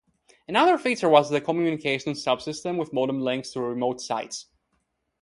Another feature was the communications subsystem with modem links to remote sites.